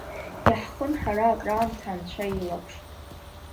Иаҳхын ҳара акраамҭа Анцәа илаԥш.